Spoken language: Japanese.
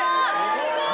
すごい。